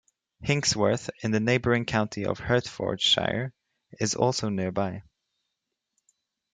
Hinxworth, in the neighbouring county of Hertfordshire, is also nearby.